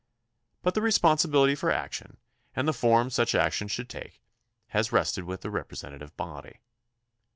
But the responsibility for action and the form such action should take has rested with the representative body.